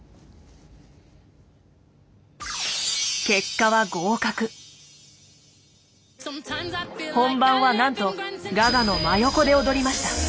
結果は本番はなんとガガの真横で踊りました。